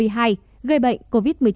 gây bệnh covid một mươi chín